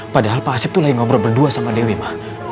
padahal pak asyik lagi ngobrol berdua sama dewi ma